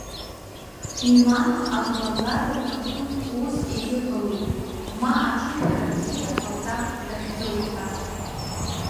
Милана агәра лгар лҭахын ус иагьыҟалоит, ма аҽышәара бзиа ҟалҵартә дахьӡоит ҳәа.